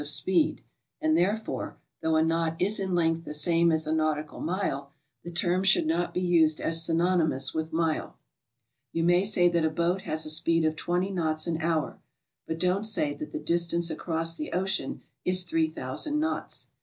49 of speed, and therefore, though a knot is in length the same as a nautical mile, the term should not be used as synony mous with mile. You may say that a boat has a speed of 20 knots an hour, but don't say that the distance across the ocean is 3000 knots.